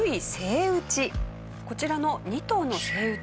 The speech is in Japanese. こちらの２頭のセイウチ。